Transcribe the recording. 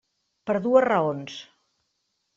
Per dues raons.